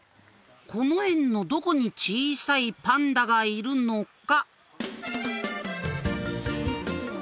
この園のどこに小さいパンダがいるのか？